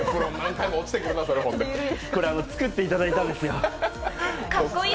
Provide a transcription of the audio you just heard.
これ、作っていただいたんですよ。